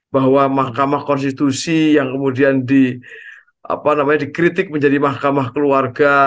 bahwa mahkamah konstitusi yang kemudian dikritik menjadi mahkamah keluarga